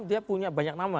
dia punya banyak nama